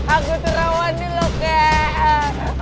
aku tuh rawani loh kek